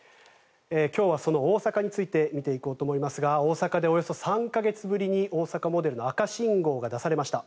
今日はその大阪について見ていこうと思いますが大阪でおよそ３か月ぶりに大阪モデルの赤信号が出されました。